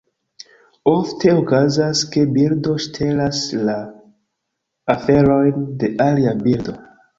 Ofte okazas, ke birdo ŝtelas la aferojn de alia birdo.